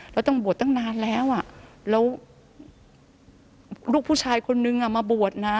ต้องบวชตั้งนานแล้วอ่ะแล้วลูกผู้ชายคนนึงมาบวชนะ